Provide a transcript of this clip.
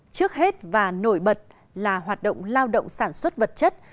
trước hết và nổi bật là hoạt động lao động sản xuất vật chất